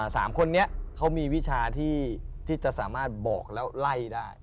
สามคนนี้เขามีวิชาที่จะสามารถบอกแล้วไล่ได้